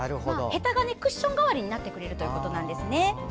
へたがクッション代わりになってくれるということなんです。